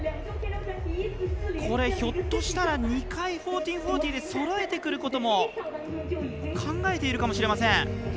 ひょっとしたら、２回１４４０でそろえてくることも考えているかもしれません。